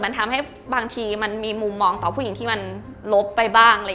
มันทำให้บางทีมันมีมุมมองต่อผู้หญิงที่มันลบไปบ้าง